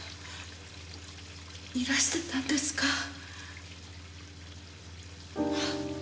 いらしてたんですか？